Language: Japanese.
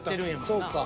そうか。